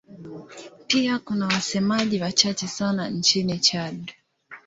Pia kuna wasemaji wachache sana nchini Chad.